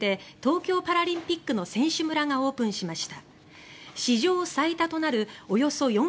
東京パラリンピックの選手村が今日、オープンしました。